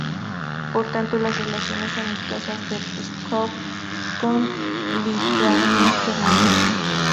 Por tanto, las relaciones amistosas de Pskov con Lituania terminó.